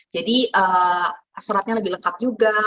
jadi seratnya lebih lengkap juga